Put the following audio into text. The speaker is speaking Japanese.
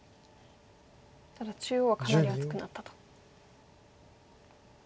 ただ中央はかなり厚くなったと。